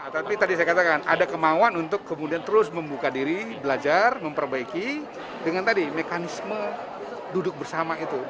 tapi tadi saya katakan ada kemauan untuk kemudian terus membuka diri belajar memperbaiki dengan tadi mekanisme duduk bersama itu